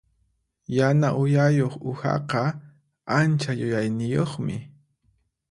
Yana uyayuq uhaqa ancha yuyayniyuqmi.